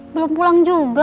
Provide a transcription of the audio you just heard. belum pulang juga